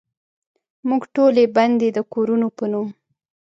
موږ ټولې بندې دکورونو په نوم،